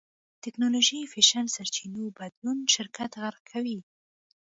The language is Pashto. ټېکنالوژي فېشن سرچينو بدلون شرکت غرق کوي.